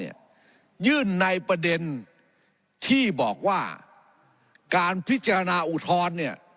ยื่นในประเด็นที่บอกว่าการพิจารณาอุทธรณ์เนี่ย